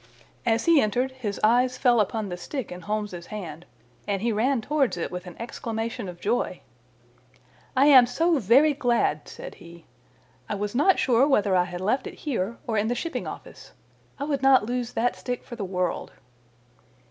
As he entered his eyes fell upon the stick in Holmes's hand, and he ran towards it with an exclamation of joy. "I am so very glad," said he. "I was not sure whether I had left it here or in the Shipping Office. I would not lose that stick for the world."